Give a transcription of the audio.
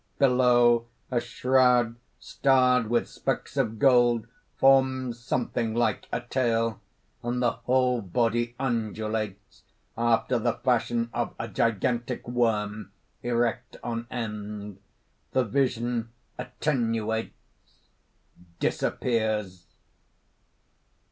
Below, a shroud starred with specks of gold forms something like a tail; and the whole body undulates, after the fashion of a gigantic worm erect on end._ _The vision attenuates, disappears.